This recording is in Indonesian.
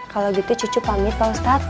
kalau gitu cucu pamit pak ustadz